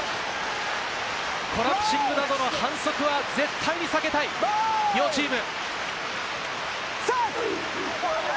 コラプシングなどの反則は絶対に避けたい両チーム。